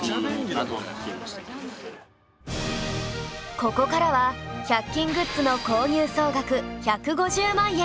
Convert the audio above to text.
ここからは１００均グッズの購入総額１５０万円